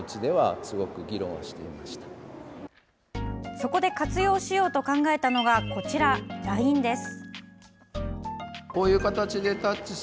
そこで活用しようと考えたのがこちらＬＩＮＥです。